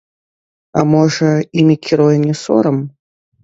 А можа, імі кіруе не сорам?